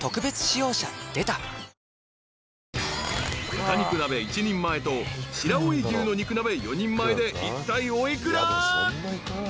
［豚肉鍋１人前と白老牛の肉鍋４人前でいったいお幾ら？］